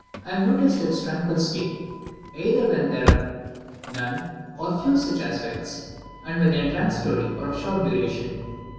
I have noticed its tranquil state either when there are none or few such aspects, or when they are transitory and of short duration."